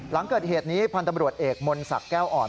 หลังเกิดเหตุนี้พันธุ์ตำรวจเอกมนศักดิ์แก้วอ่อน